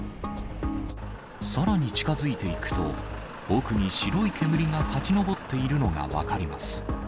さらに近づいていくと、奥に白い煙が立ち上っているのが分かります。